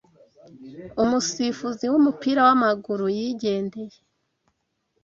umusifuzi w’umupira w’ amaguru yigendeye